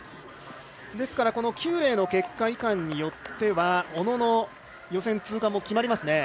ですから、邱冷の結果によっては小野の予選通過も決まります。